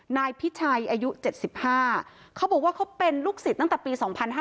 นายพิชัยอายุ๗๕เขาบอกว่าเขาเป็นลูกศิษย์ตั้งแต่ปี๒๕๕๙